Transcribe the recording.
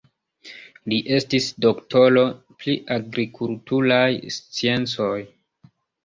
Li estis doktoro pri agrikulturaj sciencoj.